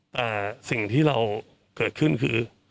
แต่สิ่งที่เราเกิดขึ้นคือ